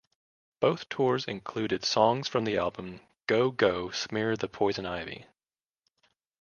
Both tours included songs from the album, "Go, Go Smear the Poison Ivy".